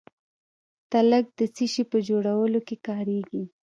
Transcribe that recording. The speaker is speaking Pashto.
تالک د څه شي په جوړولو کې کاریږي؟